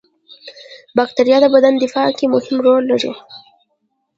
بکتریا د بدن دفاع کې مهم رول لري